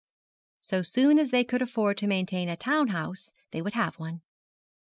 So soon as they could afford to maintain a town house they would have one.